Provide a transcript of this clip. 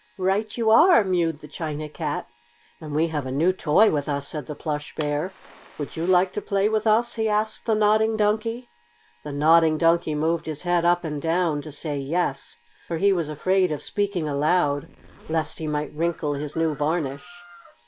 "Right you are!" mewed the China Cat. "And we have a new toy with us," said the Plush Bear. "Would you like to play with us?" he asked the Nodding Donkey. The Nodding Donkey moved his head up and down to say "yes," for he was afraid of speaking aloud, lest he might wrinkle his new varnish.